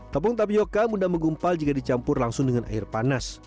tepung tapioca mudah menggumpal jika dicampur langsung dengan air panas